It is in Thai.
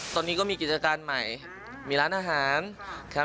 ตอนนี้ก็มีกิจการใหม่มีร้านอาหารครับ